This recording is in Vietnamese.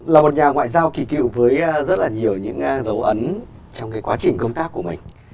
là một nhà ngoại giao kỳ cựu với rất là nhiều những dấu ấn trong quá trình công tác của mình